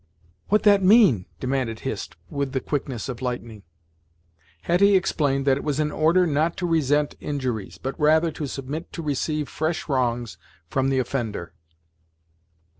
"What that mean?" demanded Hist, with the quickness of lightning. Hetty explained that it was an order not to resent injuries, but rather to submit to receive fresh wrongs from the offender.